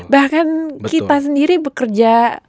bahkan kita sendiri bekerja